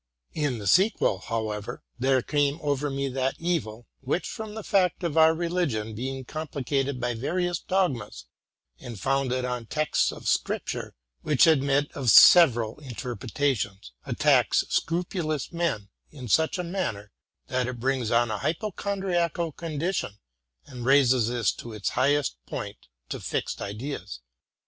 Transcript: In the sequel, however, there came oyer me that evil, which, from the fact of our religion being complicated by various dogmas, and founded on texts of scripture w hich admit of several interpretations, attacks scrupulous men in such a manner, that it brings on a hypochondriacal condi 944 TRUTH AND FICTION tion, and raises this to its highest point, to fixed ideas.